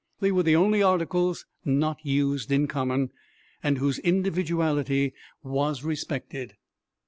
They were the only articles not used in common, and whose individuality was respected.